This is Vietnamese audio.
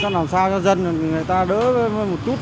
làm sao cho dân người ta đỡ một chút